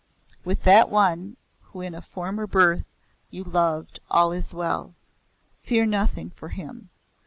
'With that one who in a former birth you loved all is well. Fear nothing for him.